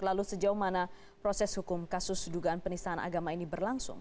lalu sejauh mana proses hukum kasus dugaan penistaan agama ini berlangsung